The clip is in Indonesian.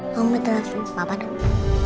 mau menelepon ke bapak dulu